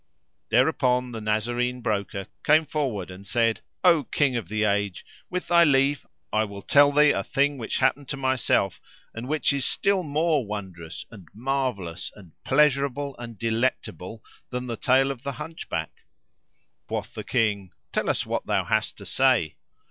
Thereupon the Nazarene broker came forward and said, "O King of the age, with thy leave I will tell thee a thing which happened to myself and which is still more wondrous and marvellous and pleasurable and delectable than the tale of the Hunchback." Quoth the King "Tell us what thou hast to say!"